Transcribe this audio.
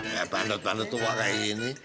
ya bandut bandut tua kayak gini